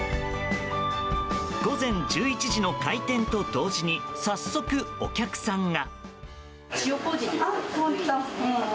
午前１１時の開店と同時に早速、お客さんが。